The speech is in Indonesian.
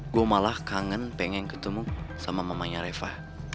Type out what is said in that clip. gue malah kangen pengen ketemu sama mamanya reva